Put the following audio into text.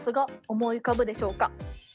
思い浮かぶでしょうか？